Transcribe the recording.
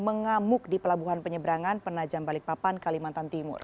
mengamuk di pelabuhan penyeberangan penajam balikpapan kalimantan timur